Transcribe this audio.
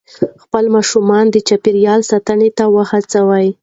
خپل ماشومان د چاپېریال ساتنې ته وهڅوئ.